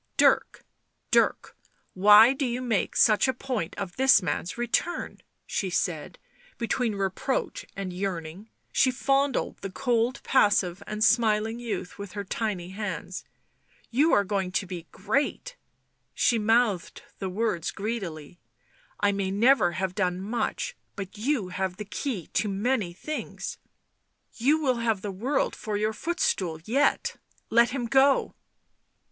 " Dirk, Dirk, why do you make such a point of this man's return ?" she said, between reproach and yearning. She fondled the cold, passive and smiling youth with her tiny hands. " You are going to be great she mouthed the words greedily. " I may never have done much, but you have the key to many things. You will have the world for your footstool yet — let him go."